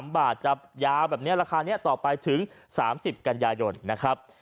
๓บาทจะยาวแบบนี้ราคานี้ต่อไปถึง๓๐กันยายนนะครับ